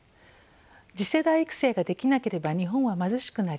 次世代育成ができなければ日本は貧しくなります。